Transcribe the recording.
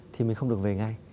thì mình không được về ngay